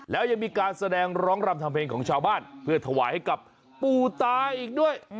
แล้วยังมีการแสดงร้องรำทำเพลงของชาวบ้านเพื่อถวายให้กับปู่ตาอีกด้วย